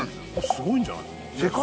すごいんじゃないですか？